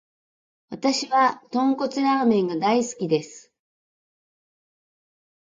わたしは豚骨ラーメンが大好きです。